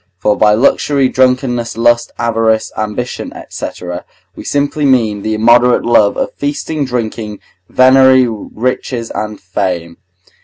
For by luxury, drunkenness, lust, avarice, ambition, &c., we simply mean the immoderate love of feasting, drinking, venery, riches, and fame.